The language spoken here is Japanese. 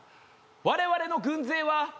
「我々の軍勢は」